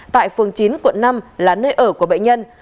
tại phường chín quận năm là nơi ở của bệnh nhân